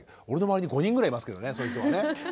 俺の周りに５人ぐらいいますけどねそういう人がね。